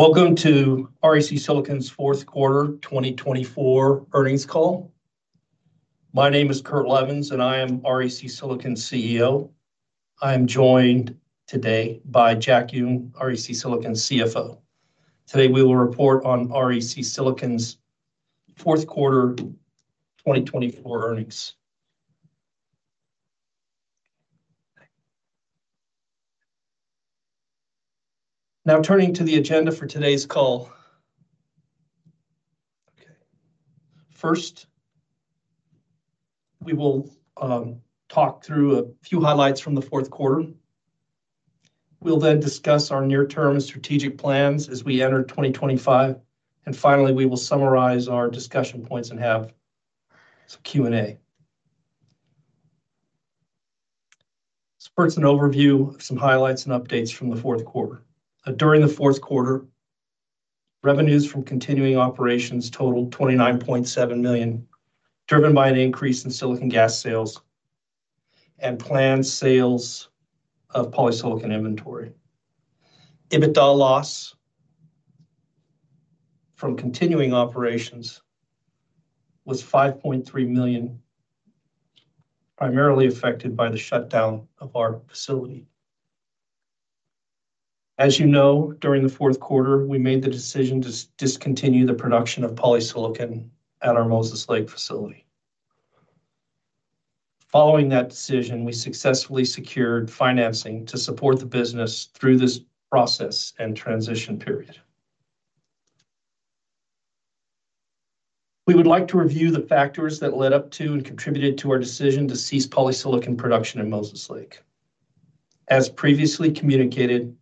Welcome to REC Silicon's fourth quarter 2024 earnings call. My name is Kurt Levens, and I am REC Silicon CEO. I am joined today by Jack Yun, REC Silicon CFO. Today, we will report on REC Silicon's fourth quarter 2024 earnings. Now, turning to the agenda for today's call. First, we will talk through a few highlights from the fourth quarter. We'll then discuss our near-term and strategic plans as we enter 2025. Finally, we will summarize our discussion points and have some Q&A. First, an overview of some highlights and updates from the fourth quarter. During the fourth quarter, revenues from continuing operations totaled $29.7 million, driven by an increase in silicon gas sales and planned sales of polysilicon inventory. Emitted loss from continuing operations was $5.3 million, primarily affected by the shutdown of our facility. As you know, during the fourth quarter, we made the decision to discontinue the production of polysilicon at our Moses Lake facility. Following that decision, we successfully secured financing to support the business through this process and transition period. We would like to review the factors that led up to and contributed to our decision to cease polysilicon production at Moses Lake. As previously communicated,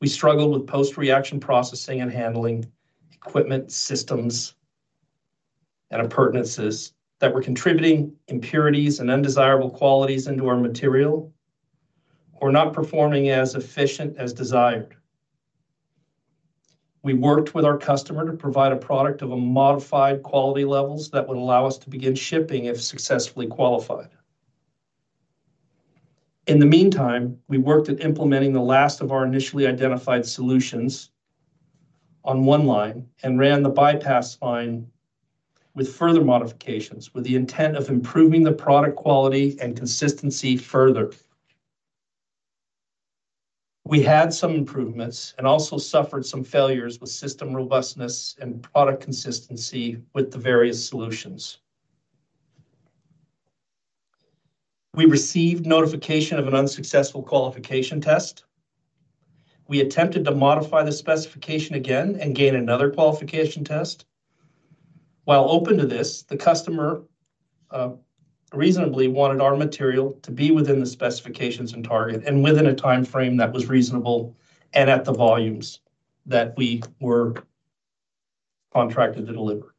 we struggled with post-reaction processing and handling equipment systems and impurities that were contributing impurities and undesirable qualities into our material or not performing as efficient as desired. We worked with our customer to provide a product of modified quality levels that would allow us to begin shipping if successfully qualified. In the meantime, we worked at implementing the last of our initially identified solutions on one line and ran the bypass line with further modifications with the intent of improving the product quality and consistency further. We had some improvements and also suffered some failures with system robustness and product consistency with the various solutions. We received notification of an unsuccessful qualification test. We attempted to modify the specification again and gain another qualification test. While open to this, the customer reasonably wanted our material to be within the specifications and target and within a timeframe that was reasonable and at the volumes that we were contracted to deliver.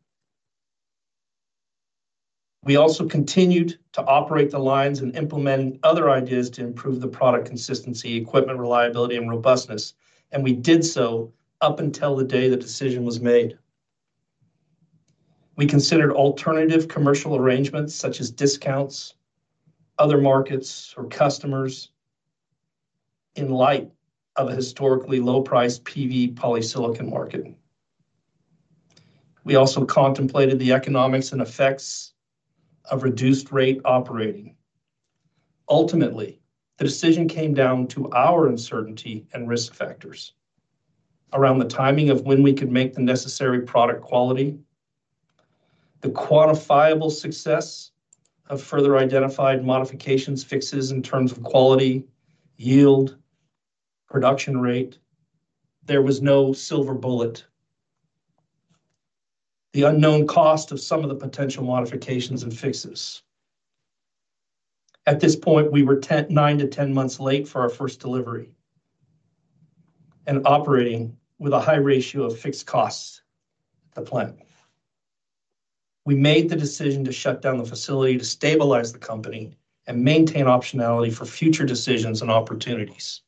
We also continued to operate the lines and implement other ideas to improve the product consistency, equipment reliability, and robustness, and we did so up until the day the decision was made. We considered alternative commercial arrangements such as discounts, other markets, or customers in light of a historically low-priced PV polysilicon market. We also contemplated the economics and effects of reduced-rate operating. Ultimately, the decision came down to our uncertainty and risk factors around the timing of when we could make the necessary product quality, the quantifiable success of further identified modifications, fixes in terms of quality, yield, production rate. There was no silver bullet. The unknown cost of some of the potential modifications and fixes. At this point, we were 9-10 months late for our first delivery and operating with a high ratio of fixed costs at the plant. We made the decision to shut down the facility to stabilize the company and maintain optionality for future decisions and opportunities.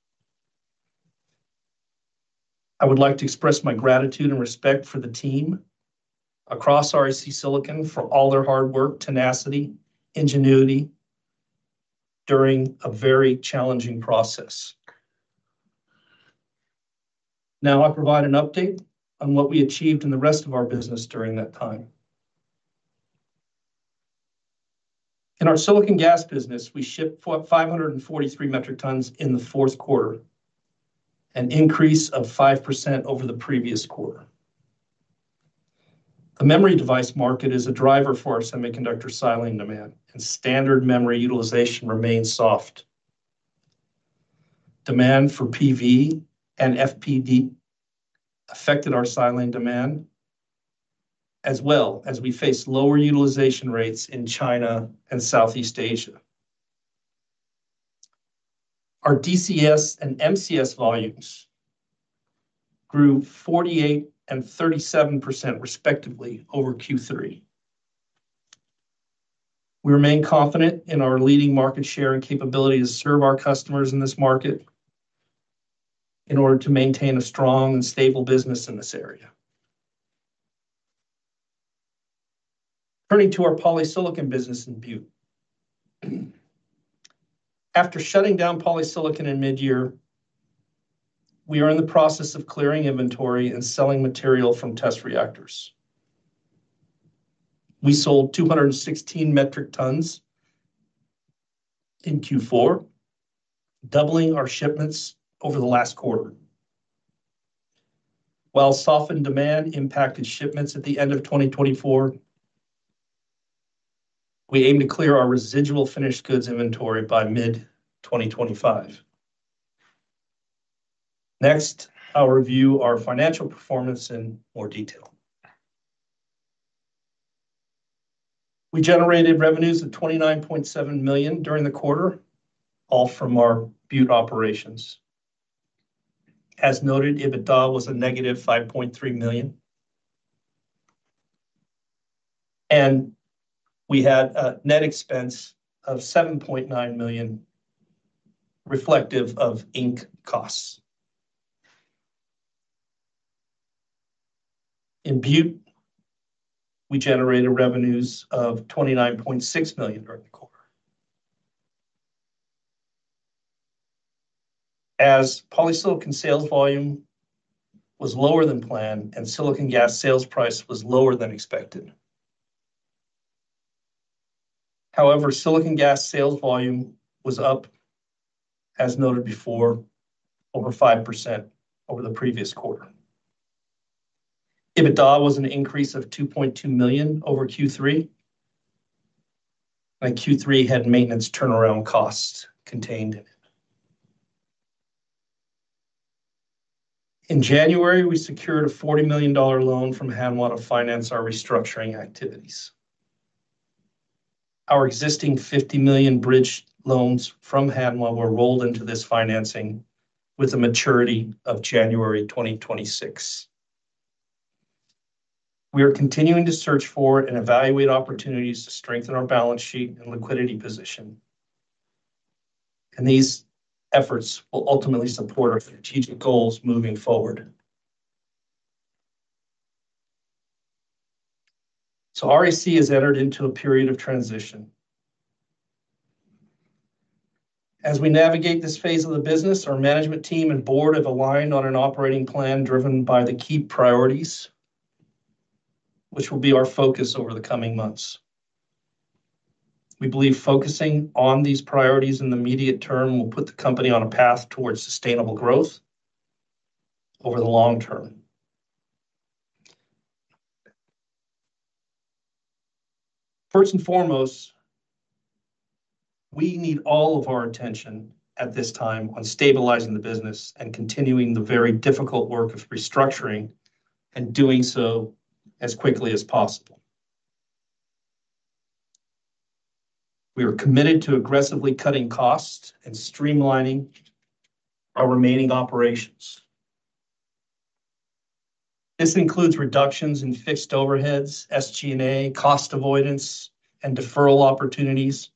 I would like to express my gratitude and respect for the team across REC Silicon for all their hard work, tenacity, and ingenuity during a very challenging process. Now, I provide an update on what we achieved in the rest of our business during that time. In our silicon gas business, we shipped 543 metric tons in the fourth quarter, an increase of 5% over the previous quarter. The memory device market is a driver for our semiconductor silane demand, and standard memory utilization remains soft. Demand for PV and FPD affected our silane demand, as well as we faced lower utilization rates in China and Southeast Asia. Our DCS and MCS volumes grew 48% and 37% respectively over Q3. We remain confident in our leading market share and capability to serve our customers in this market in order to maintain a strong and stable business in this area. Turning to our polysilicon business in Butte. After shutting down polysilicon in mid-year, we are in the process of clearing inventory and selling material from test reactors. We sold 216 metric tons in Q4, doubling our shipments over the last quarter. While softened demand impacted shipments at the end of 2024, we aim to clear our residual finished goods inventory by mid-2025. Next, I'll review our financial performance in more detail. We generated revenues of $29.7 million during the quarter, all from our Butte operations. As noted, EBITDA was a -$5.3 million, and we had a net expense of $7.9 million reflective of ink costs. In Butte, we generated revenues of $29.6 million during the quarter. As polysilicon sales volume was lower than planned and silicon gas sales price was lower than expected. However, silicon gas sales volume was up, as noted before, over 5% over the previous quarter. EBITDA was an increase of $2.2 million over Q3, and Q3 had maintenance turnaround costs contained in it. In January, we secured a $40 million loan from Hanwha to finance our restructuring activities. Our existing $50 million bridge loans from Hanwha were rolled into this financing with a maturity of January 2026. We are continuing to search for and evaluate opportunities to strengthen our balance sheet and liquidity position, and these efforts will ultimately support our strategic goals moving forward. REC has entered into a period of transition. As we navigate this phase of the business, our management team and board have aligned on an operating plan driven by the key priorities, which will be our focus over the coming months. We believe focusing on these priorities in the immediate term will put the company on a path towards sustainable growth over the long-term. First and foremost, we need all of our attention at this time on stabilizing the business and continuing the very difficult work of restructuring and doing so as quickly as possible. We are committed to aggressively cutting costs and streamlining our remaining operations. This includes reductions in fixed overheads, SG&A, cost avoidance, and deferral opportunities,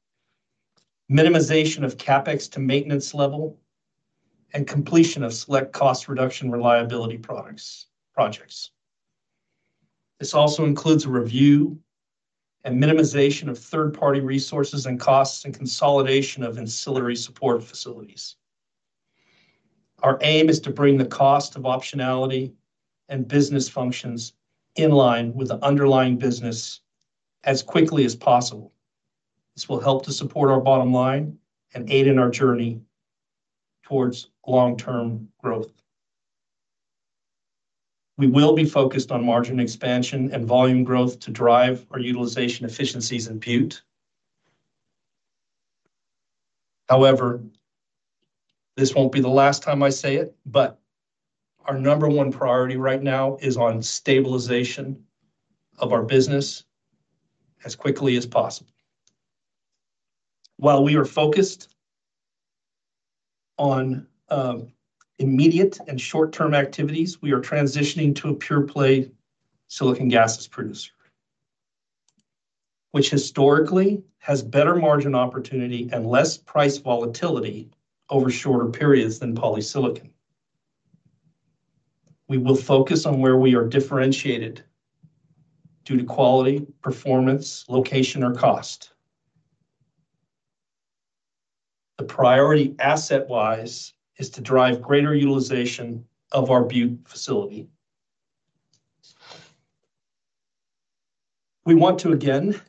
minimization of CapEx to maintenance level, and completion of select cost reduction reliability projects. This also includes a review and minimization of third-party resources and costs and consolidation of ancillary support facilities. Our aim is to bring the cost of optionality and business functions in line with the underlying business as quickly as possible. This will help to support our bottom line and aid in our journey towards long-term growth. We will be focused on margin expansion and volume growth to drive our utilization efficiencies in Butte. However, this won't be the last time I say it, but our number one priority right now is on stabilization of our business as quickly as possible. While we are focused on immediate and short-term activities, we are transitioning to a pure-play silicon gas producer, which historically has better margin opportunity and less price volatility over shorter periods than polysilicon. We will focus on where we are differentiated due to quality, performance, location, or cost. The priority asset-wise is to drive greater utilization of our Butte facility. We want to again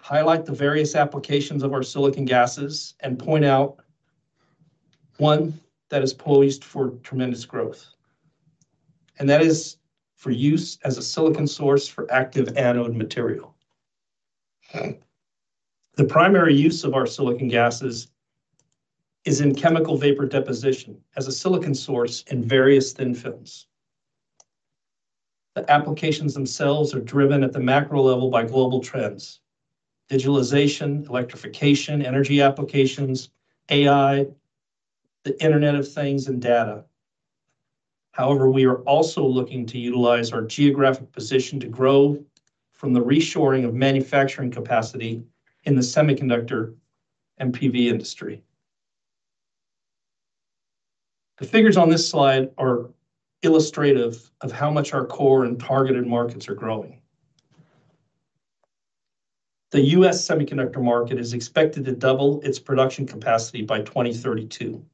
highlight the various applications of our silicon gases and point out one that is poised for tremendous growth, and that is for use as a silicon source for active anode material. The primary use of our silicon gases is in chemical vapor deposition as a silicon source in various thin films. The applications themselves are driven at the macro level by global trends: digitalization, electrification, energy applications, AI, the Internet of Things, and data. However, we are also looking to utilize our geographic position to grow from the reshoring of manufacturing capacity in the semiconductor and PV industry. The figures on this slide are illustrative of how much our core and targeted markets are growing. The U.S. semiconductor market is expected to double its production capacity by 2032,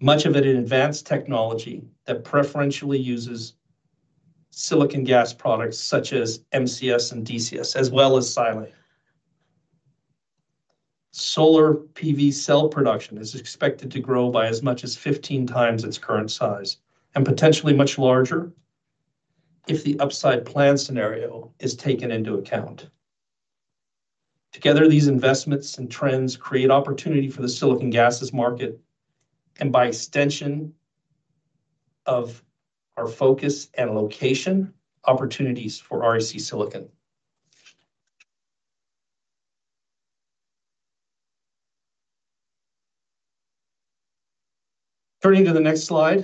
much of it in advanced technology that preferentially uses silicon gas products such as MCS and DCS, as well as silane. Solar PV cell production is expected to grow by as much as 15x its current size and potentially much larger if the upside plan scenario is taken into account. Together, these investments and trends create opportunity for the silicon gases market and, by extension, of our focus and location opportunities for REC Silicon. Turning to the next slide,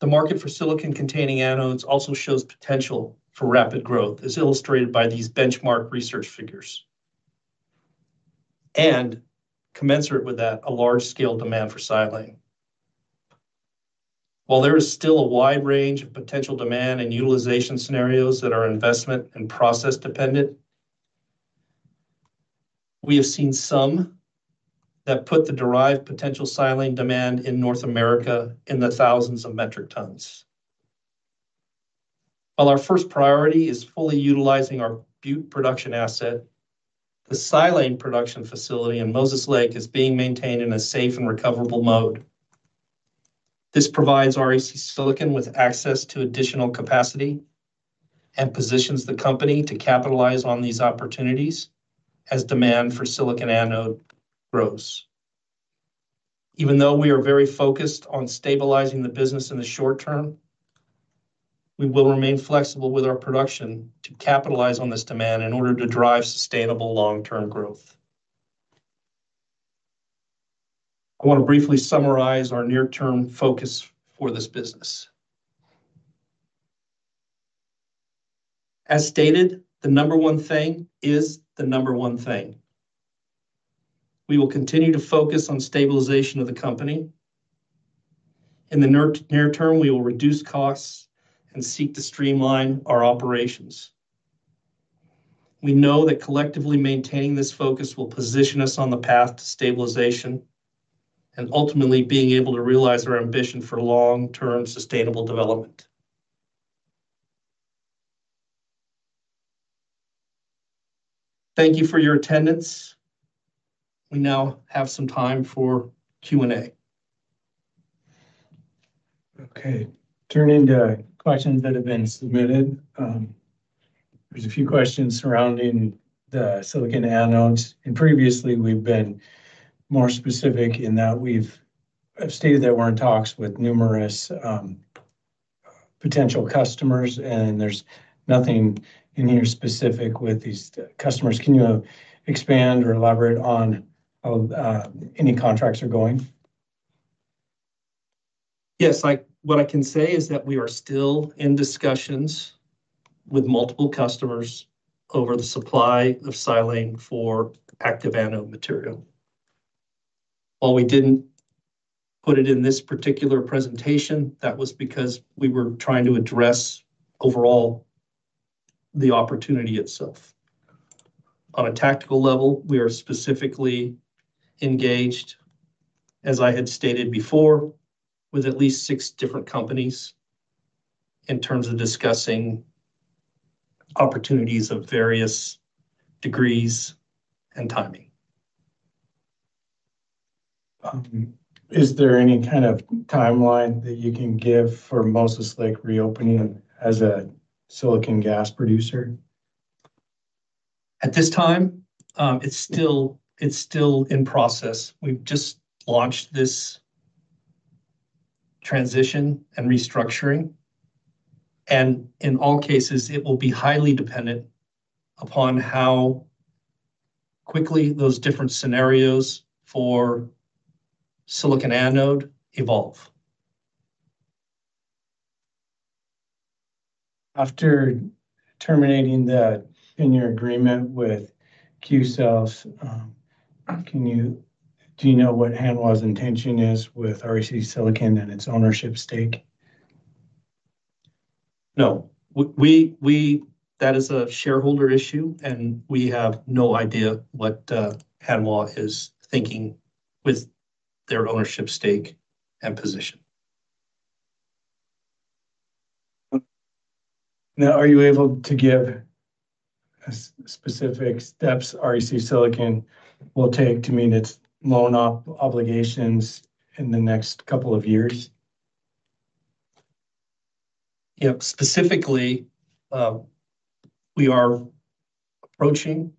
the market for silicon-containing anodes also shows potential for rapid growth, as illustrated by these benchmark research figures. Commensurate with that, a large-scale demand for silane. While there is still a wide range of potential demand and utilization scenarios that are investment and process-dependent, we have seen some that put the derived potential silane demand in North America in the thousands of metric tons. While our first priority is fully utilizing our Butte production asset, the silane production facility in Moses Lake is being maintained in a safe and recoverable mode. This provides REC Silicon with access to additional capacity and positions the company to capitalize on these opportunities as demand for silicon anode grows. Even though we are very focused on stabilizing the business in the short-term, we will remain flexible with our production to capitalize on this demand in order to drive sustainable long-term growth. I want to briefly summarize our near-term focus for this business. As stated, the number one thing is the number one thing. We will continue to focus on stabilization of the company. In the near term, we will reduce costs and seek to streamline our operations. We know that collectively maintaining this focus will position us on the path to stabilization and ultimately being able to realize our ambition for long-term sustainable development. Thank you for your attendance. We now have some time for Q&A. Okay. Turning to questions that have been submitted, there's a few questions surrounding the silicon anodes. Previously, we've been more specific in that we've stated that we're in talks with numerous potential customers, and there's nothing in here specific with these customers. Can you expand or elaborate on how any contracts are going? Yes. What I can say is that we are still in discussions with multiple customers over the supply of silane for active anode material. While we didn't put it in this particular presentation, that was because we were trying to address overall the opportunity itself. On a tactical level, we are specifically engaged, as I had stated before, with at least six different companies in terms of discussing opportunities of various degrees and timing. Is there any kind of timeline that you can give for Moses Lake reopening as a silicon gas producer? At this time, it's still in process. We've just launched this transition and restructuring. In all cases, it will be highly dependent upon how quickly those different scenarios for silicon anode evolve. After terminating the tenure agreement with Qcells, do you know what Hanwha's intention is with REC Silicon and its ownership stake? No. That is a shareholder issue, and we have no idea what Hanwha is thinking with their ownership stake and position. Now, are you able to give specific steps REC Silicon will take to meet its loan obligations in the next couple of years? Yep. Specifically, we are approaching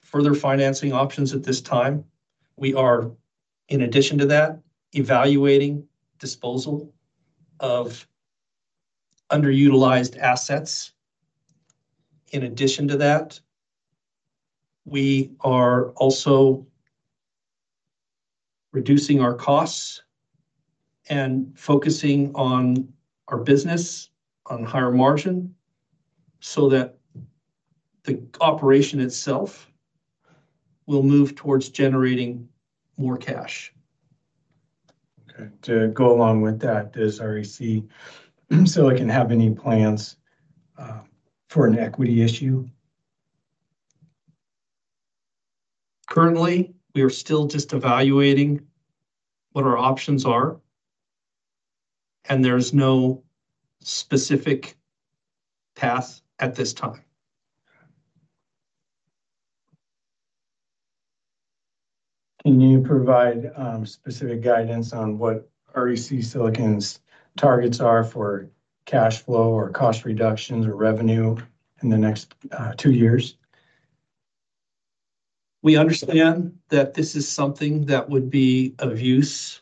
further financing options at this time. We are, in addition to that, evaluating disposal of underutilized assets. In addition to that, we are also reducing our costs and focusing on our business on higher margin so that the operation itself will move towards generating more cash. Okay. To go along with that, does REC Silicon have any plans for an equity issue? Currently, we are still just evaluating what our options are, and there's no specific path at this time. Can you provide specific guidance on what REC Silicon's targets are for cash flow or cost reductions or revenue in the next two years? We understand that this is something that would be of use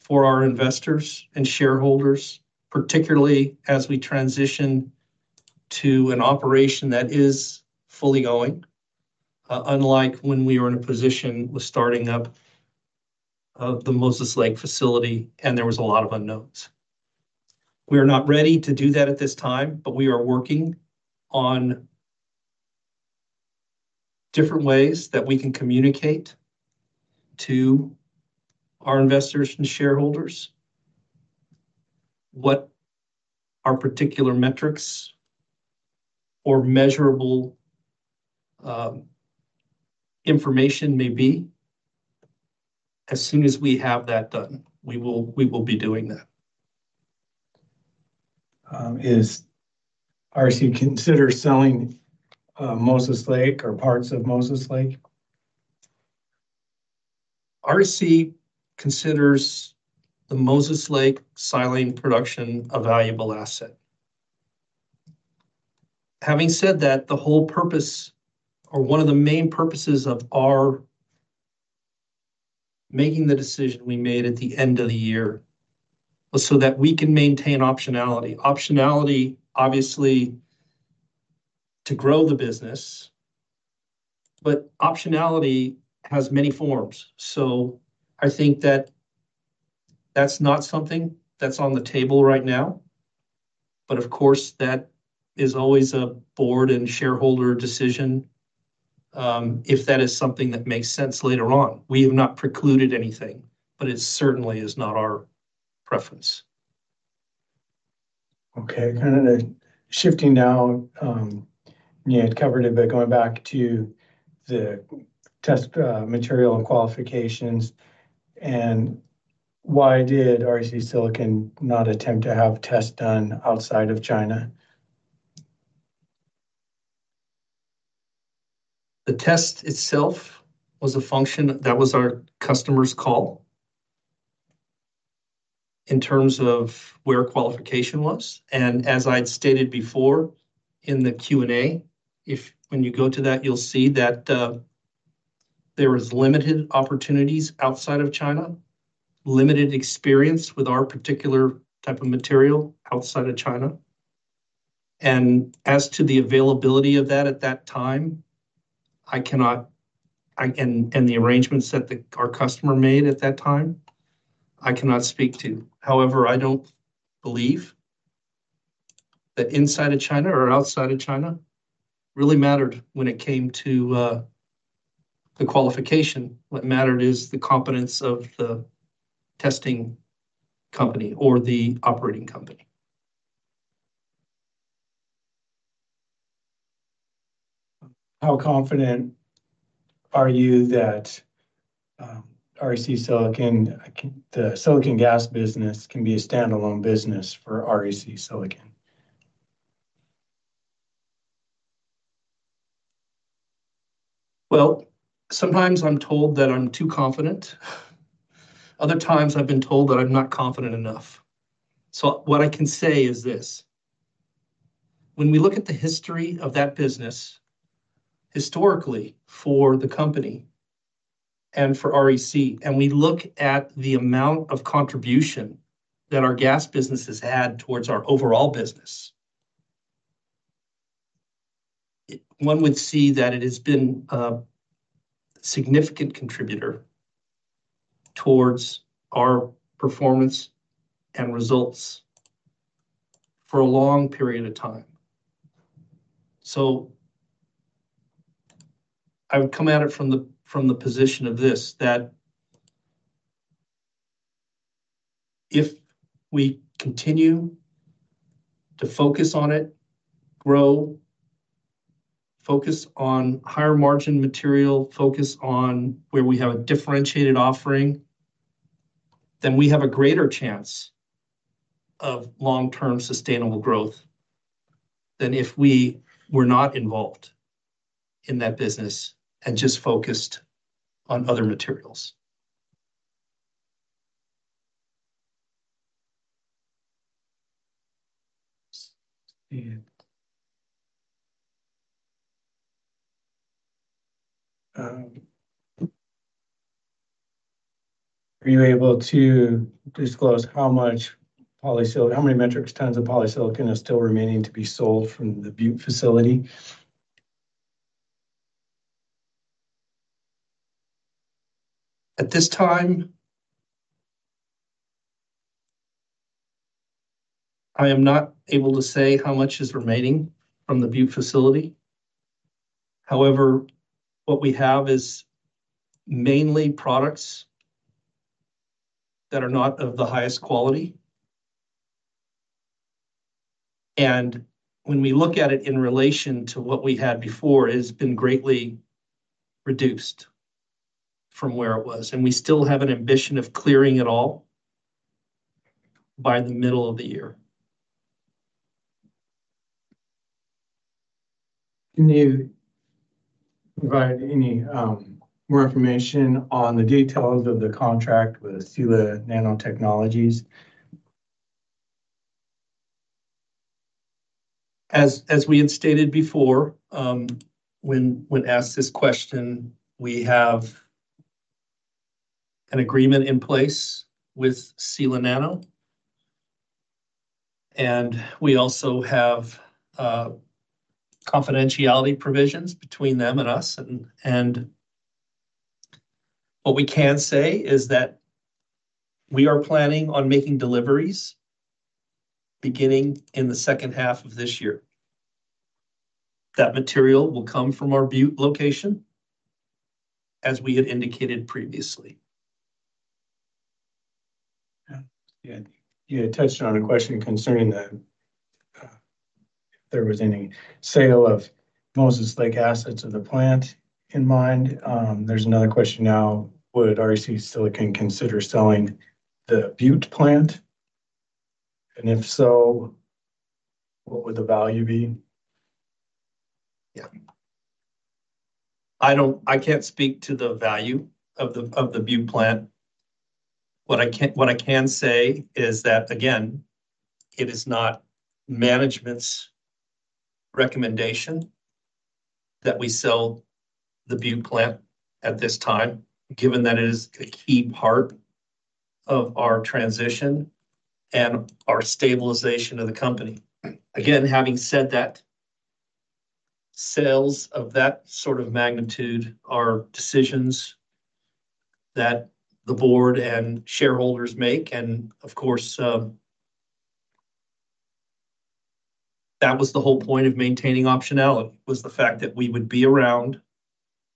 for our investors and shareholders, particularly as we transition to an operation that is fully going, unlike when we were in a position with starting up the Moses Lake facility and there was a lot of unknowns. We are not ready to do that at this time, but we are working on different ways that we can communicate to our investors and shareholders what our particular metrics or measurable information may be. As soon as we have that done, we will be doing that. Is REC considering selling Moses Lake or parts of Moses Lake? REC considers the Moses Lake silane production a valuable asset. Having said that, the whole purpose or one of the main purposes of our making the decision we made at the end of the year was so that we can maintain optionality. Optionality, obviously, to grow the business, but optionality has many forms. I think that that's not something that's on the table right now. Of course, that is always a board and shareholder decision if that is something that makes sense later on. We have not precluded anything, but it certainly is not our preference. Okay. Kind of shifting now, you had covered it, but going back to the test material and qualifications, and why did REC Silicon not attempt to have tests done outside of China? The test itself was a function that was our customer's call in terms of where qualification was. As I'd stated before in the Q&A, when you go to that, you'll see that there are limited opportunities outside of China, limited experience with our particular type of material outside of China. As to the availability of that at that time, I cannot and the arrangements that our customer made at that time, I cannot speak to. However, I don't believe that inside of China or outside of China really mattered when it came to the qualification. What mattered is the competence of the testing company or the operating company. How confident are you that REC Silicon, the silicon gas business, can be a standalone business for REC Silicon? Sometimes I'm told that I'm too confident. Other times, I've been told that I'm not confident enough. What I can say is this: when we look at the history of that business historically for the company and for REC, and we look at the amount of contribution that our gas business has had towards our overall business, one would see that it has been a significant contributor towards our performance and results for a long period of time. I would come at it from the position of this: that if we continue to focus on it, grow, focus on higher margin material, focus on where we have a differentiated offering, then we have a greater chance of long-term sustainable growth than if we were not involved in that business and just focused on other materials. Are you able to disclose how many metric tons of polysilicon are still remaining to be sold from the Butte facility? At this time, I am not able to say how much is remaining from the Butte facility. However, what we have is mainly products that are not of the highest quality. When we look at it in relation to what we had before, it has been greatly reduced from where it was. We still have an ambition of clearing it all by the middle of the year. Can you provide any more information on the details of the contract with Sila Nanotechnologies? As we had stated before, when asked this question, we have an agreement in place with Sila Nano. We also have confidentiality provisions between them and us. What we can say is that we are planning on making deliveries beginning in the second half of this year. That material will come from our Butte location, as we had indicated previously. You had touched on a question concerning if there was any sale of Moses Lake assets of the plant in mind. There is another question now: would REC Silicon consider selling the Butte plant? If so, what would the value be? I can't speak to the value of the Butte plant. What I can say is that, again, it is not management's recommendation that we sell the Butte plant at this time, given that it is a key part of our transition and our stabilization of the company. Again, having said that, sales of that sort of magnitude are decisions that the board and shareholders make. Of course, that was the whole point of maintaining optionality, was the fact that we would be around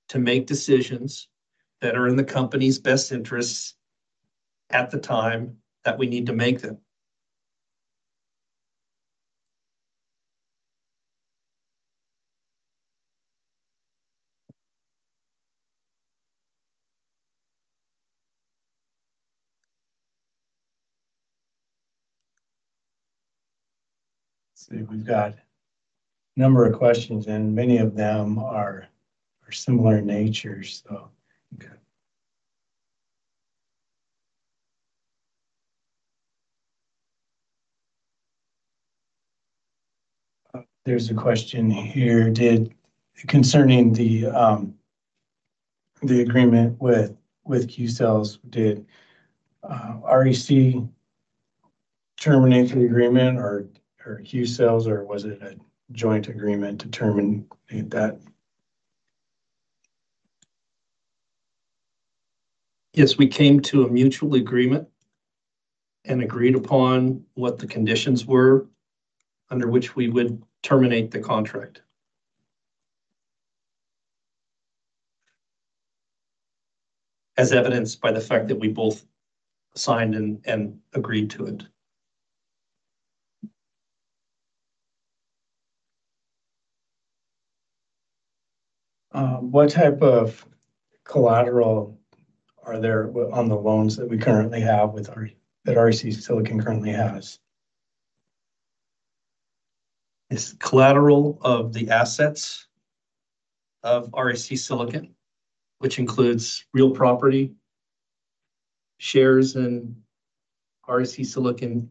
to make decisions that are in the company's best interests at the time that we need to make them. Let's see. We've got a number of questions, and many of them are similar in nature, so. Okay. There's a question here concerning the agreement with Qcells. Did REC terminate the agreement, or Qcells, or was it a joint agreement to terminate that? Yes. We came to a mutual agreement and agreed upon what the conditions were under which we would terminate the contract, as evidenced by the fact that we both signed and agreed to it. What type of collateral are there on the loans that we currently have that REC Silicon currently has? It's collateral of the assets of REC Silicon, which includes real property, shares in REC Silicon.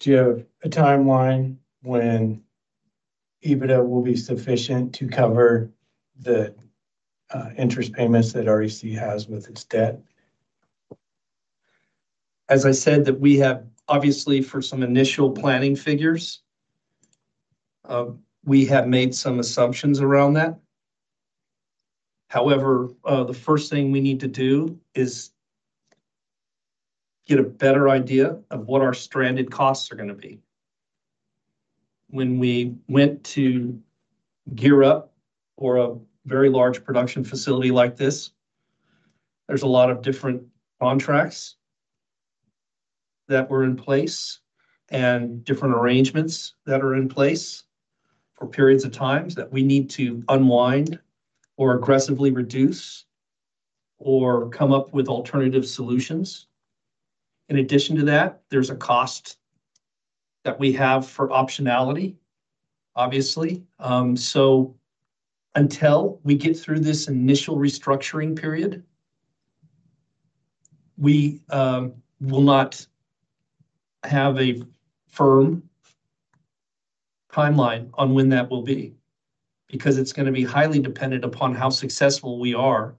Do you have a timeline when EBITDA will be sufficient to cover the interest payments that REC has with its debt? As I said, obviously, for some initial planning figures, we have made some assumptions around that. However, the first thing we need to do is get a better idea of what our stranded costs are going to be. When we went to gear up for a very large production facility like this, there's a lot of different contracts that were in place and different arrangements that are in place for periods of time that we need to unwind or aggressively reduce or come up with alternative solutions. In addition to that, there's a cost that we have for optionality, obviously. Until we get through this initial restructuring period, we will not have a firm timeline on when that will be because it's going to be highly dependent upon how successful we are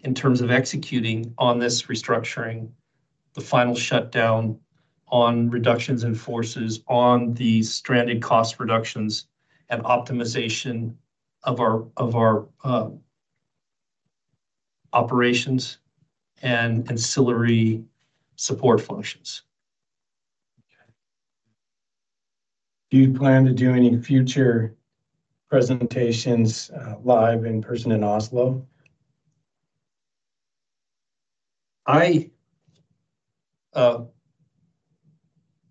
in terms of executing on this restructuring, the final shutdown on reductions in forces, on the stranded cost reductions, and optimization of our operations and ancillary support functions. Okay. Do you plan to do any future presentations live in person in Oslo? I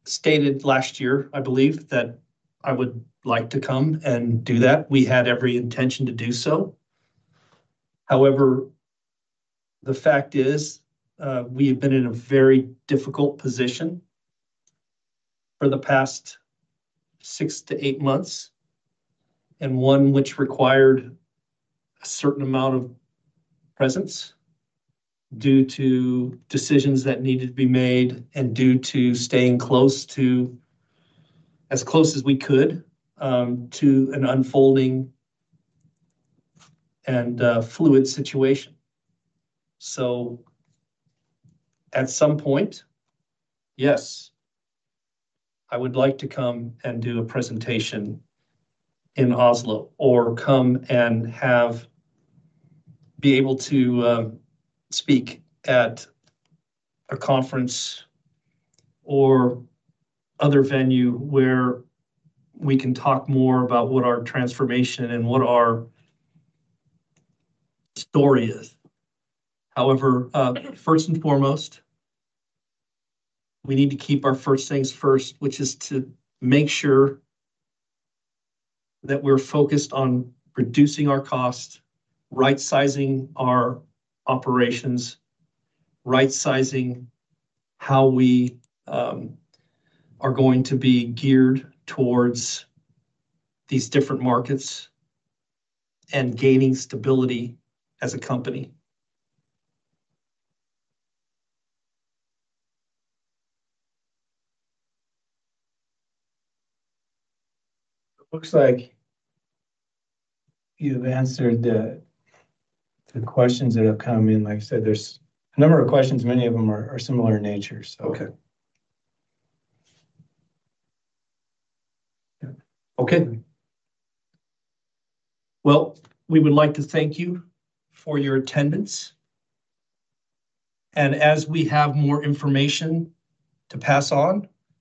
stated last year, I believe, that I would like to come and do that. We had every intention to do so. However, the fact is we have been in a very difficult position for the past six to eight months, and one which required a certain amount of presence due to decisions that needed to be made and due to staying as close as we could to an unfolding and fluid situation. At some point, yes, I would like to come and do a presentation in Oslo or come and be able to speak at a conference or other venue where we can talk more about what our transformation and what our story is. However, first and foremost, we need to keep our first things first, which is to make sure that we're focused on reducing our cost, right-sizing our operations, right-sizing how we are going to be geared towards these different markets, and gaining stability as a company. It looks like you've answered the questions that have come in. Like I said, there's a number of questions. Many of them are similar in nature, so. Okay. We would like to thank you for your attendance. As we have more information to pass on.